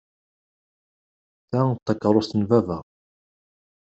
Ta d takerrust n baba.